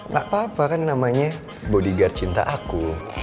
gapapa kan namanya bodyguard cinta aku